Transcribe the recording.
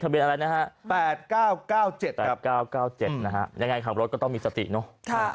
เบียนอะไรนะฮะ๘๙๙๗๘๙๙๗นะฮะยังไงขับรถก็ต้องมีสติเนอะ